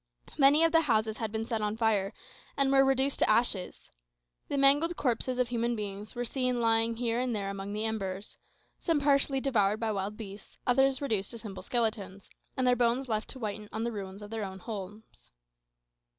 Many of the houses had been set on fire, and were reduced to ashes. The mangled corpses of human beings were seen lying here and there amongst the embers some partially devoured by wild beasts, others reduced to simple skeletons, and their bones left to whiten on the ruins of their old homes.